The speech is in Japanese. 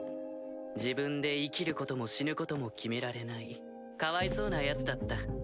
自分で生きることも死ぬことも決められないかわいそうなヤツだった。